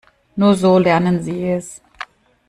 Nur so lernen sie es.